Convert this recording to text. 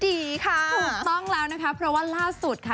ค่ะถูกต้องแล้วนะคะเพราะว่าล่าสุดค่ะ